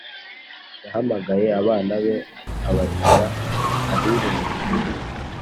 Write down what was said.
yahamagaye abana be abashyira ahiherereye